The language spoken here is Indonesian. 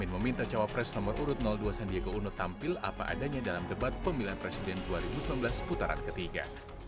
meminta cawapres nomor urut dua sandiaga uno tampil apa adanya dalam debat pemilihan presiden dua ribu sembilan belas putaran ketiga